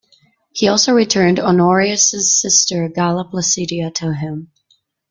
He also returned Honorius' sister Galla Placidia to him.